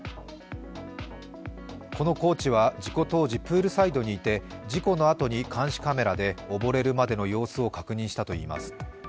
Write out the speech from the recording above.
このコーチは、事故当時プールサイドにいて、事故のあとに監視カメラで溺れるまでの様子を確認したといいます。